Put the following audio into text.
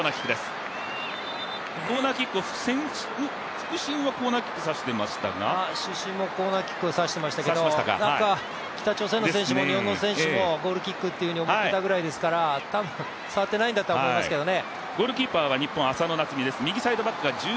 副審はコーナーキックを指していましたが主審もコーナーキックを差していましたけれども、日本の選手も北朝鮮の選手もゴールキックと思っていたぐらいですから、多分、触ってないんだと思いますけどね。